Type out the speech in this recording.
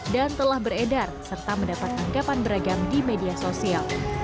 dan telah beredar serta mendapat tanggapan beragam di media sosial